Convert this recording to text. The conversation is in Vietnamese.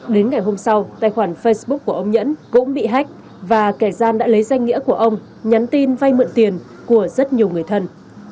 đến ngày hôm sau tài khoản facebook của ông nhẫn cũng bị hách và kẻ gian đã lấy danh nghĩa của ông nhắn tin vay mượn tiền của rất nhiều người thân